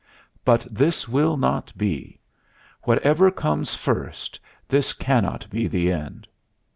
But this will not be; whatever comes first, this cannot be the end.